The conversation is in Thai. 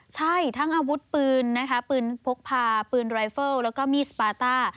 ใช่ทั้งอาวุธปืนนะคะปืนพกพาปืนรายเฟิลแล้วก็มีดสปาต้า